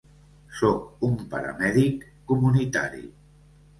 Sóc un paramèdic comunitari.